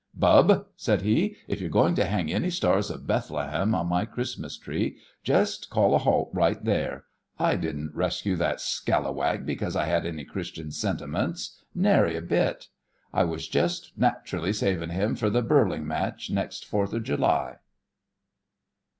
"Bub," said he, "if you're going to hang any stars of Bethlehem on my Christmas tree, just call a halt right here. I didn't rescue that scalawag because I had any Christian sentiments, nary bit. I was just naturally savin' him for the birling match next Fourther July."